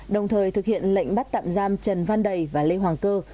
đồng thời thực hiện lệnh bắt tạm giam trần văn đầy và lê hoàng cơ